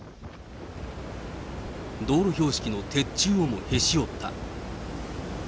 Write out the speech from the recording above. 道路標識の鉄柱をもへし折った。